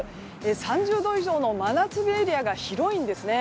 ３０度以上の真夏日エリアが広いんですね。